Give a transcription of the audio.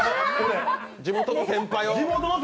地元の先輩。